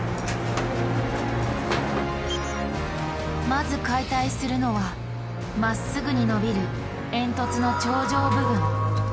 まず解体するのはまっすぐに伸びる煙突の頂上部分。